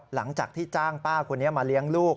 หลังจากที่จ้างป้าคนนี้มาเลี้ยงลูก